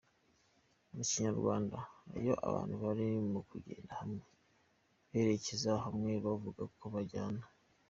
Mu Kinyarwanda iyo abantu bari mukugenda hamwe berekeza hamwe bavugako bajyana.